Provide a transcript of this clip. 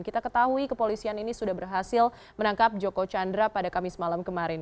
kita ketahui kepolisian ini sudah berhasil menangkap joko chandra pada kamis malam kemarin